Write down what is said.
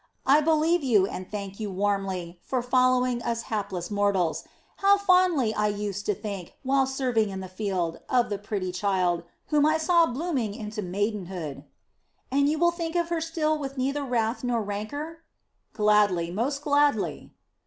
I believe you and thank you warmly for following us hapless mortals. How fondly I used to think, while serving in the field, of the pretty child, whom I saw blooming into maidenhood." "And you will think of her still with neither wrath nor rancor?" "Gladly, most gladly."